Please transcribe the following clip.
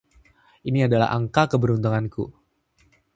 Ini adalah angka keberuntunganku.